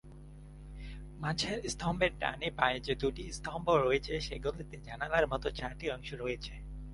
মাঝের স্তম্ভের ডানে-বাঁয়ে যে দুটি স্তম্ভ রয়েছে, সেগুলোতে জানালার মতো চারটি অংশ রয়েছে।